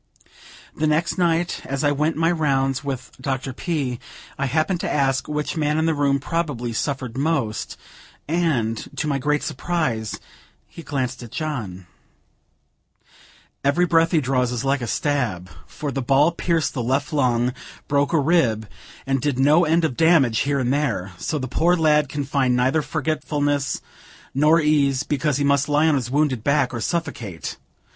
The next night, as I went my rounds with Dr. P., I happened to ask which man in the room probably suffered most; and, to my great surprise, he glanced at John: "Every breath he draws is like a stab; for the ball pierced the left lung, broke a rib, and did no end of damage here and there; so the poor lad can find neither forgetfulness nor ease, because he must lie on his wounded back or suffocate.